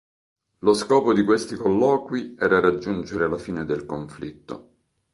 Lo scopo di questi colloqui era raggiungere la fine del conflitto.